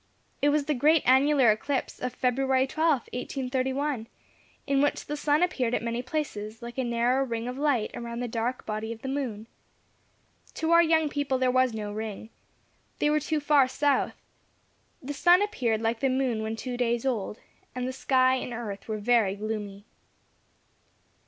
It was the great annular eclipse of February 12th, 1831, in which the sun appeared at many places like a narrow ring of light around the dark body of the moon. To our young people there was no ring. They were too far south. The sun appeared like the moon when two days old, and the sky and earth were very gloomy.